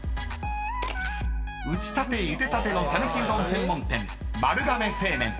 ［打ちたてゆでたての讃岐うどん専門店］